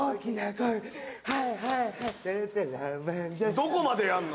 どこまでやるの？